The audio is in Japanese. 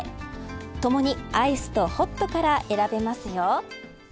ともに、アイスとホットから選べますよ。